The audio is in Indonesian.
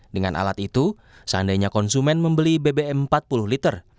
dengan alat itu seandainya konsumen membeli bbm empat puluh liter